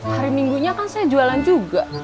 hari minggunya kan saya jualan juga